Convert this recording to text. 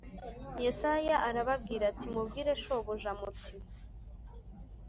Yesaya arababwira ati Mubwire shobuja muti